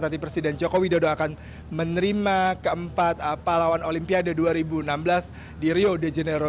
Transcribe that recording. nanti presiden joko widodo akan menerima keempat pahlawan olimpiade dua ribu enam belas di rio de janeiro